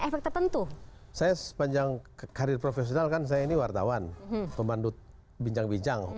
efek tertentu saya sepanjang karir profesional kan saya ini wartawan pemandu bincang bincang